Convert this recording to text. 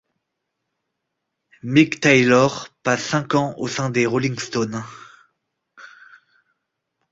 Mick Taylor passe cinq ans au sein des Rolling Stones.